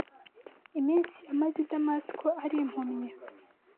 Iminsi yamaze i Damasiko ari impumyi